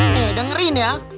nih dengerin ya